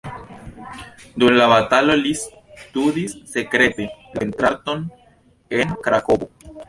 Dum la batalo li studis sekrete la pentrarton en Krakovo.